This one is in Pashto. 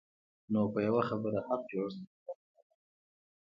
نو په یوه خبره هر جوړښت غیر عادلانه دی.